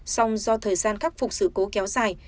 song do thời gian khắc phục sự cố kéo dài